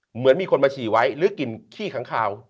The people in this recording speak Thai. เหมือนมีคนมาฉี่ไว้หรือกลิ่นขี้ขังคาว